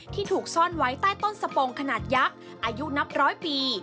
ที่ถูกซ่อนไว้ใต้ต้นสปงขนาดยักษ์อายุนับร้อยปี